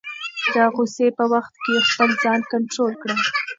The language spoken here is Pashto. د غصې په وخت کې خپل ځان کنټرول کړه.